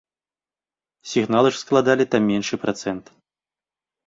Сінгалы ж складалі там меншы працэнт.